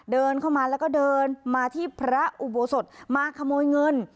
เดินเข้ามาแล้วก็เดินมาที่พระอุโบสถมาขโมยเงิน